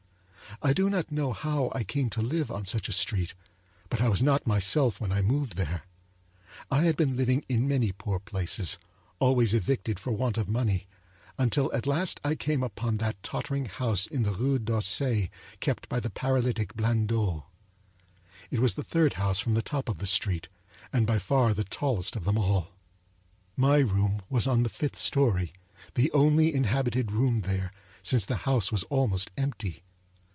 I do not know how I came to live on such a street, but I was not myself when I moved there. I had been living in many poor places, always evicted for want of money; until at last I came upon that tottering house in the Rue d'Auseil kept by the paralytic Blandot. It was the third house from the top of the street, and by far the tallest of them all.My room was on the fifth story; the only inhabited room there, since the house was almost empty.